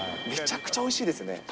めちゃくちゃおいしいですよね。